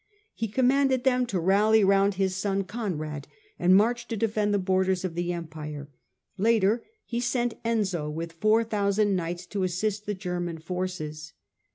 He com manded them to rally round his son Conrad and march to defend the borders of the Empire. Later he sent Enzio with four thousand knights to assist the German forces.